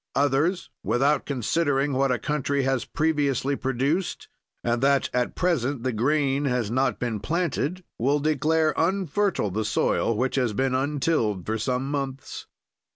"Others, without considering what a country has previously produced, and that at present the grain has not been planted, will declare unfertile the soil which has been untilled for some months.